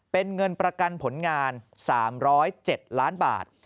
เป็นเงินประกันผลงาน๓๐๗ล้านบาท